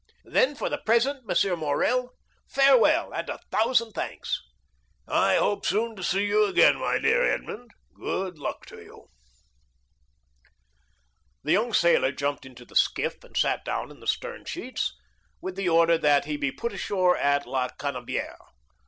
"Then, for the present, M. Morrel, farewell, and a thousand thanks!" "I hope soon to see you again, my dear Edmond. Good luck to you." The young sailor jumped into the skiff, and sat down in the stern sheets, with the order that he be put ashore at La Canebière.